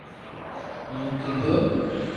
ھون کيلو